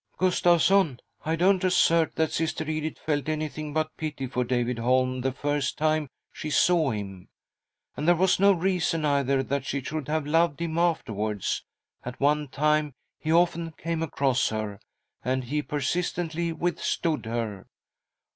"Gustavsson, I don't assert that Sister Edith felt anything but pity for David Holm the first time she saw him. And there was no reason either that she should have loved him afterwards — at one time he often came across her, and he per sistently withstood her.